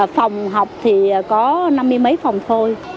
phòng học thì có năm mươi mấy phòng thôi